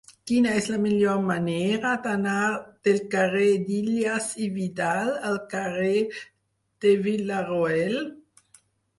Quina és la millor manera d'anar del carrer d'Illas i Vidal al carrer de Villarroel?